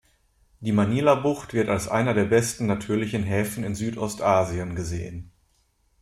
Die Manilabucht wird als einer der besten natürlichen Häfen in Südostasien gesehen.